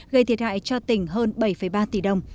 gây thiệt hại cho đất đài